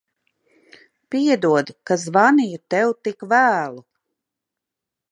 Piedod, ka zvanīju tev tik vēlu.